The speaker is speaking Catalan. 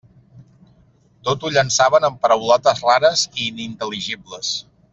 Tot ho llançaven amb paraulotes rares i inintel·ligibles.